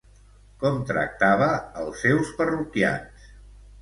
Com tractava els seus parroquians?